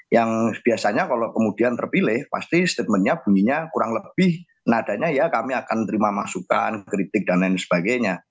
yang biasanya kalau kemudian terpilih pasti statementnya bunyinya kurang lebih nadanya ya kami akan terima masukan kritik dan lain sebagainya